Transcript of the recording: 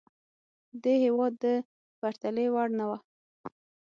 دې هېواد د پرتلې وړ نه وه.